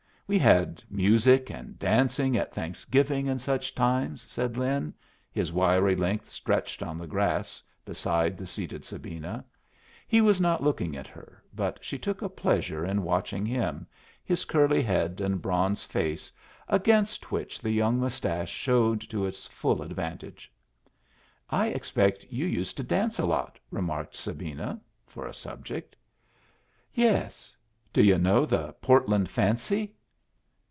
"We had music and dancing at Thanksgiving and such times," said Lin, his wiry length stretched on the grass beside the seated Sabina. He was not looking at her, but she took a pleasure in watching him, his curly head and bronze face, against which the young mustache showed to its full advantage. "I expect you used to dance a lot," remarked Sabina, for a subject. "Yes. Do yu' know the Portland Fancy?"